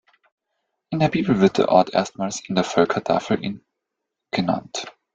In der Bibel wird der Ort erstmals in der Völkertafel in genannt.